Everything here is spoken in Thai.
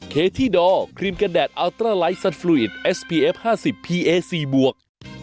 เคที่ดอร์ครีมกันแดดอัลตราไลท์สัตว์ฟลูอิตเอสพีเอฟห้าสิบพีเอซีบวก